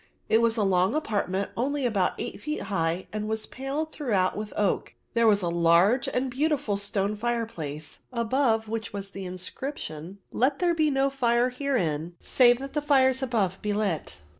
It was a long apartment only about eight feet high, and was panelled throughout with oak. There was a large and beautiful stone fireplace, above which was the inscription, "Let there be no fire herein save that the fires above be lit."